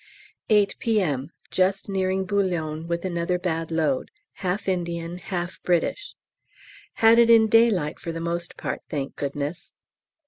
8 P.M. Just nearing Boulogne with another bad load, half Indian, half British; had it in daylight for the most part, thank goodness!